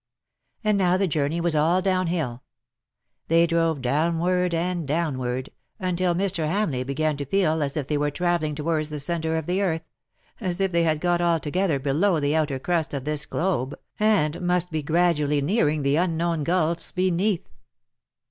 And now the journey was all downhill. They drove downward and downward, until Mr. Ham leigh began to feel as if they were travelling towards the centre of the earth — as if they had got altogether below the outer crust of this globe^ and must be gradually nearing the unknown gulfs beneath.